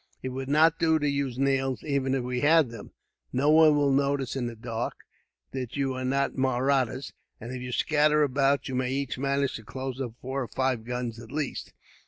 It would not do to use nails, even if we had them. No one will notice, in the dark, that you are not Mahrattas; and if you scatter about, you may each manage to close up four or five guns, at least.